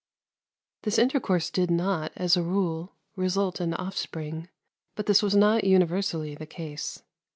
This intercourse did not, as a rule, result in offspring; but this was not universally the case.